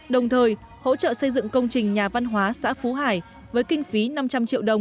đồng thời hỗ trợ xây dựng công trình nhà văn hóa xã phú hải với kinh phí năm trăm linh triệu đồng